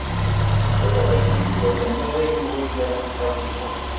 Ẓriɣ d aken Yuba d amaray n Wrida n At Qasi Muḥ.